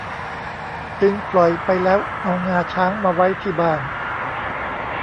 จึงปล่อยไปแล้วเอางาช้างมาไว้ที่บ้าน